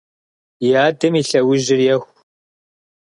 И адэм и лъэужьыр еху.